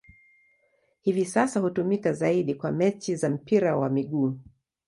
Hivi sasa hutumika zaidi kwa mechi za mpira wa miguu.